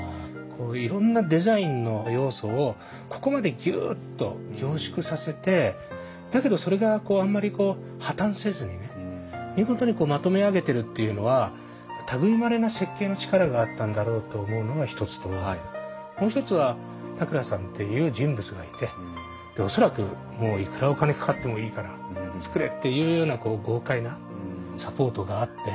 こういろんなデザインの要素をここまでギュッと凝縮させてだけどそれがあんまり破綻せずにね見事にまとめ上げてるっていうのは類いまれな設計の力があったんだろうと思うのが一つともう一つは田倉さんっていう人物がいてで恐らくもういくらお金かかってもいいから作れっていうようなこう豪快なサポートがあって。